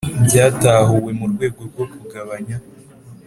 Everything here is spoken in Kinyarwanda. byatahuwe mu rwego rwo kugabanya